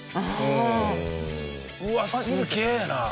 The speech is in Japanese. うわすげえな。